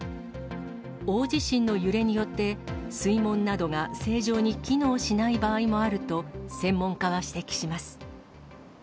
大地震の揺れによって、水門などが正常に機能しない場合もあると、専門家は指摘します。